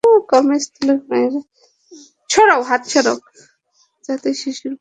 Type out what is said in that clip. কর্মস্থলে মায়েরা যাতে শিশুকে বুকের দুধ দিতে পারেন তেমন নীতি প্রণয়ন করতে হবে।